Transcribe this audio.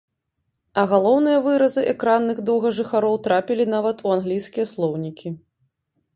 А галоўныя выразы экранных доўгажыхароў трапілі нават у англійскія слоўнікі.